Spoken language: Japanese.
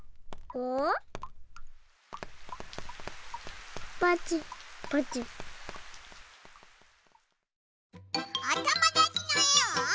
おともだちのえを。